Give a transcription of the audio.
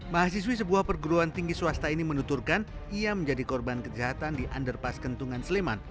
mahasiswi sebuah perguruan tinggi swasta ini menuturkan ia menjadi korban kejahatan di underpass kentungan sleman